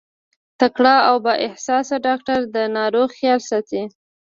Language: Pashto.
تکړه او با احساسه ډاکټر د ناروغ خيال ساتي.